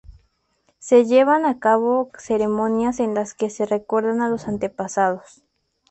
Se llevan a cabo ceremonias en las que se recuerda a los antepasados.